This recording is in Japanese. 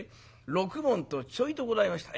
六文とちょいとございました。